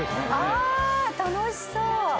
あー楽しそう！